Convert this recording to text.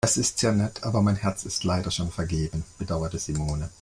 "Das ist sehr nett, aber mein Herz ist leider schon vergeben", bedauerte Simone.